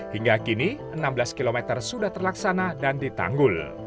hingga kini enam belas km sudah terlaksana dan ditanggul